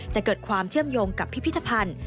จะเกิดความเชื่อมโยงกับพิพิธภัณฑ์